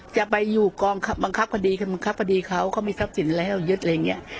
จะไปอยู่กองบังคับพอดีบังคับพอดีเขาเขามีทรัพย์สินอะไรเขายึดอะไรอย่างเงี้ย